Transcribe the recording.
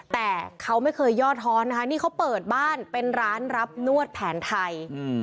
แต่เขาไม่เคยย่อท้อนนะคะนี่เขาเปิดบ้านเป็นร้านรับนวดแผนไทย